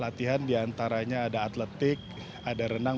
latihan diantaranya ada atletik ada renang